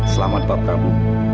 selamat pak prabu